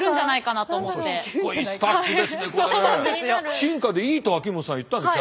進化でいいと秋元さんは言ったんですよ